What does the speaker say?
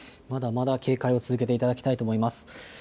まだまだ警戒を続けていただきたいと思います。